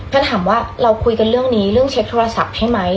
ก็ถามว่าเราคุยกันเรื่องนี้เรื่องเช็คโทรศัพท์ให้ไหม